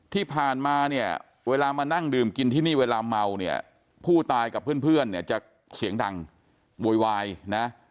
ที่ผ่านมาเนี่ยเวลามานั่งดื่มกินที่นี่เวลาเมาเนี่ยผู้ตายกับเพื่อนเนี่ยจะเสียงดังโวยวายนะ